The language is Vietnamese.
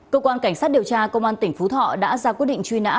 cơ quan cảnh sát điều tra công an tỉnh phú thọ đã ra quyết định truy nã